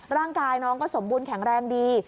ร่างกายน้องก็สมบูรณแข็งแรงดี